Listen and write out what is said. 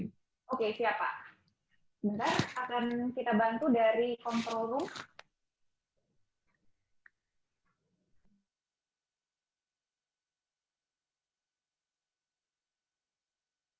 oke siap pak